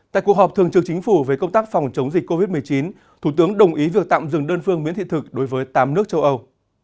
tại cuộc họp thường trường chính phủ về công tác phòng chống dịch covid một mươi chín thủ tướng đồng ý việc tạm dừng đơn phương miễn thị thực đối với tám nước châu âu